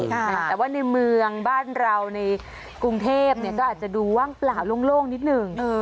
แต่ว่าในเมืองบ้านเราในกรุงเทพก็อาจจะดูว่างเปล่าโล่งนิดหนึ่ง